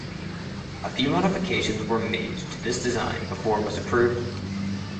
A few modifications were made to this design before it was approved.